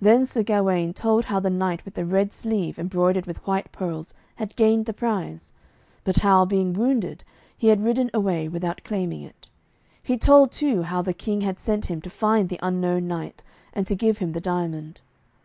Then Sir Gawaine told how the knight with the red sleeve embroidered with white pearls had gained the prize, but how, being wounded, he had ridden away without claiming it. He told too how the King had sent him to find the unknown knight and to give him the diamond.